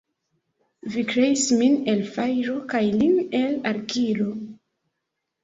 Vi kreis min el fajro kaj lin el argilo.